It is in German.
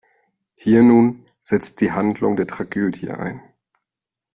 Hier nun setzt die Handlung der Tragödie ein.